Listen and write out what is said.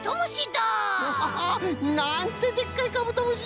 ホホホッ。なんてでっかいカブトムシ